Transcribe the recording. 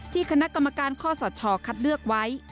คณะกรรมการข้อสชคัดเลือกไว้